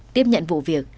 tiếp nhận vụ việc